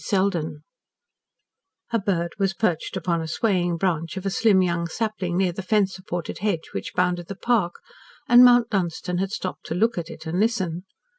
SELDEN A bird was perched upon a swaying branch of a slim young sapling near the fence supported hedge which bounded the park, and Mount Dunstan had stopped to look at it and listen.